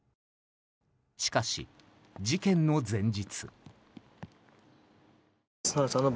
しかし、事件の前日。